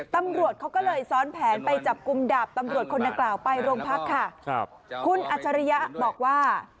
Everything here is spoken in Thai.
ตำรวจเขาก็เลยซ้อนแผนไปจับกลุ่มดาบตำรวจคนนักกล่าวไปโรงพักค่ะครับคุณอัจฉริยะบอกว่า